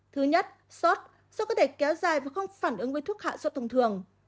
thứ nhất sốt có thể kéo dài và không phản ứng với thuốc hạ sốt thông thường